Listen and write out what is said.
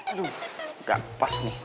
aduh gak pas nih